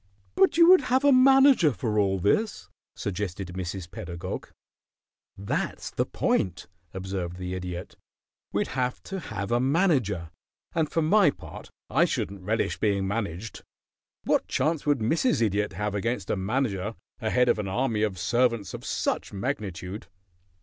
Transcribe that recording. "But you would have a manager for all this," suggested Mrs. Pedagog. "That's the point," observed the Idiot. "We'd have to have a manager, and for my part I shouldn't relish being managed. What chance would Mrs. Idiot have against a manager ahead of an army of servants of such magnitude?